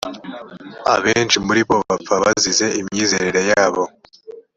abenshi muri bo bapfa bazize imyizerere yabo